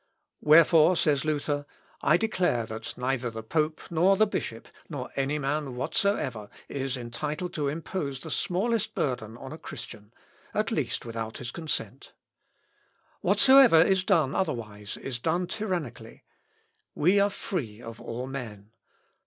"Wherefore," says Luther, "I declare that neither the pope, nor the bishop, nor any man whatever, is entitled to impose the smallest burden on a Christian at least without his consent. Whatsoever is done otherwise is done tyrannically. We are free of all men.